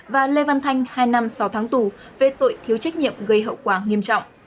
và lê văn thanh hai năm sáu tháng tù về tội thiếu trách nhiệm gây hậu quả nghiêm trọng